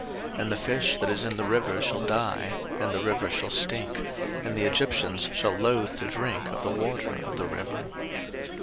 02:007:018 And the fish that is in the river shall die, and the river shall stink; and the Egyptians shall lothe to drink of the water of the river.